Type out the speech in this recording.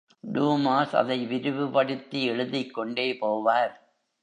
Dumas அதை விரிவுபடுத்தி எழுதிக் கொண்டே போவார்.